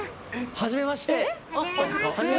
はじめまして。